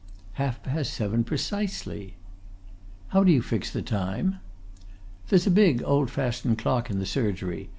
"Half past seven precisely." "How do you fix the time?" "There's a big, old fashioned clock in the surgery.